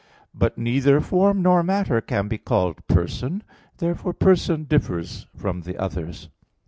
But neither form nor matter can be called person. Therefore person differs from the others.